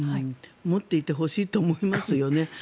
持っていてほしいと思いますよね。